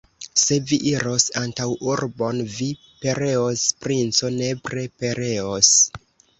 Se vi iros antaŭurbon, vi pereos, princo, nepre pereos!